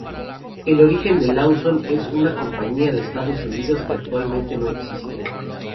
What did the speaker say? El origen de Lawson es una compañía de Estados Unidos que actualmente no existe.